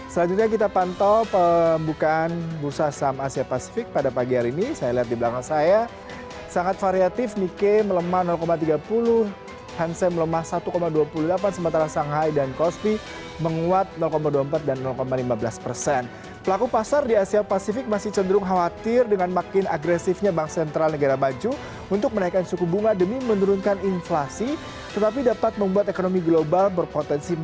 selanjutnya kita pantau pembukaan bursa saham asia pasifik pada pagi hari ini